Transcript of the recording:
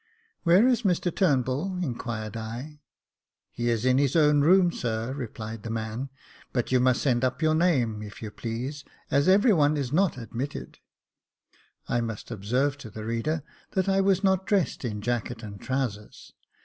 *' Where is Mr Turnbull ?" inquired I. "He is in his own room, sir," replied the man; "but you must send up your name, if you please, as every one is not admitted." I must observe to the reader that I was not dressed in jacket and trousers.